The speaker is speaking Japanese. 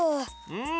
うん！